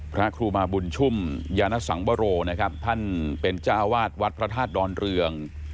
พระครูมาบุญชุ่มยานสังวโรนะครับท่านเป็นเจ้าวาดวัดพระธาตุดอนเรือง